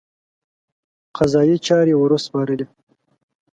قضایي چارې ورسپارلې.